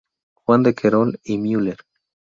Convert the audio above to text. Juan de Querol y Muller.